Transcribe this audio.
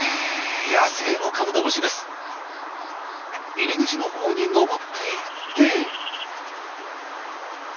入り口のほうに上っていって。